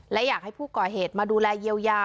และอยากให้ผู้ก่อเหตุมาดูแลเยียวยา